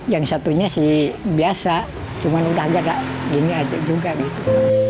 yang satunya sih biasa cuman udah agak gini aja juga gitu